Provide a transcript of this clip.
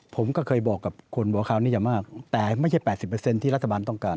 ผมก็เคยบอกกับคนบอกเขานี่จะมากแต่ไม่ใช่แปดสิบเปอร์เซ็นต์ที่รัฐบาลต้องการ